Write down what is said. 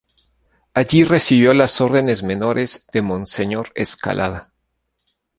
Allí recibió las órdenes menores de Monseñor Escalada.